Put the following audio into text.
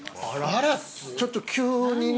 ちょっと急にね。